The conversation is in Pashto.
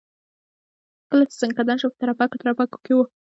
کله چې ځنکدن شو په ترپکو ترپکو کې و.